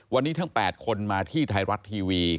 วันนี้ทั้ง๘คนมาที่ไทยรัฐทีวี